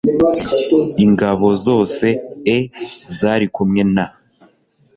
ingabo zose e zari kumwe na